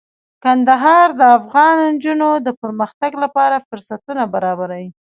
کندهار د افغان نجونو د پرمختګ لپاره فرصتونه برابروي.